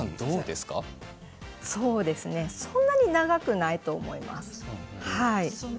そんなに長くないと思います。